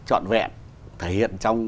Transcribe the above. trọn vẹn thể hiện trong